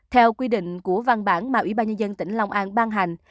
theo quy định của văn bản mà ủy ban nhân dân tỉnh long an ban hành